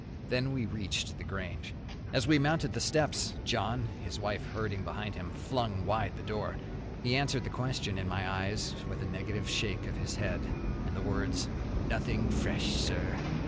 Then we reached The Grange. As we mounted the steps, John, his wife herding behind him, flung wide the door. He answered the question in my eyes with a negative shake of his head, and the words, "Nothing fresh, sir."